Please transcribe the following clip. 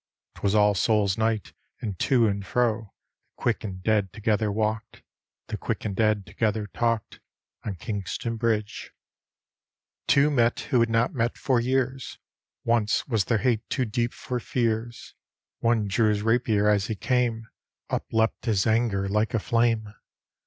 'Twas All Soub' Night, and to and fro The quick and dead together walked, The quick and dead together talked. On Kii^ston Bridge. D,gt,, erihyGOOgle On Kingston Bridge v Two met who bad not met for years; Oiux was their hate too deep for fears: One drew his rapier as he came, Upleapt his anger like a flame.